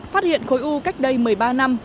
phát hiện khối u cách đây một mươi ba năm